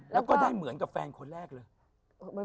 แล้วก็ได้เหมือนกับแฟนคนแรกเลย